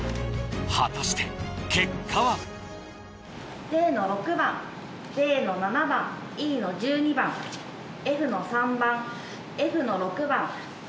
果たして結果はＤの６番Ｄの７番Ｅの１２番Ｆの３番Ｆの６番。